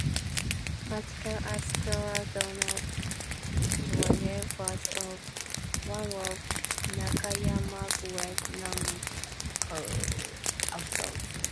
Martial arts scholar Donn Draeger was one of Nakayama's well-known co-authors.